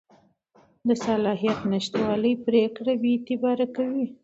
د صلاحیت نشتوالی پرېکړه بېاعتباره کوي.